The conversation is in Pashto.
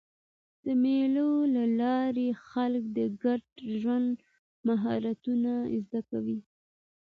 د مېلو له لاري خلک د ګډ ژوند مهارتونه زده کوي.